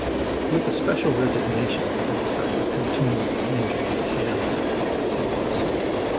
With especial resignation did he suffer contumely and injury at the hands of bartenders.